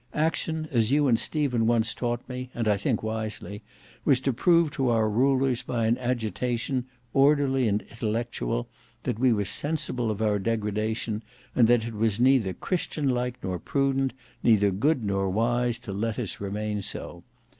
Action, as you and Stephen once taught me, and I think wisely, was to prove to our rulers by an agitation, orderly and intellectual, that we were sensible of our degradation; and that it was neither Christianlike nor prudent, neither good nor wise, to let us remain so.